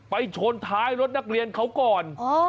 ชนท้ายรถนักเรียนเขาก่อน